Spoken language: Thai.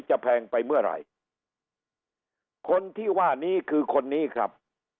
แพงไปเมื่อไหร่คนที่ว่านี้คือคนนี้ครับ